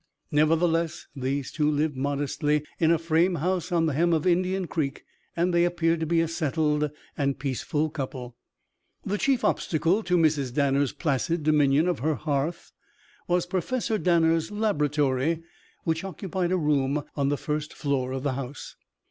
Nevertheless these two lived modestly in a frame house on the hem of Indian Creek and they appeared to be a settled and peaceful couple. The chief obstacle to Mrs. Danner's placid dominion of her hearth was Professor Danner's laboratory, which occupied a room on the first floor of the house.